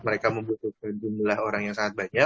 mereka membutuhkan jumlah orang yang sangat banyak